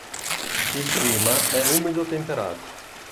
Il clima è umido temperato.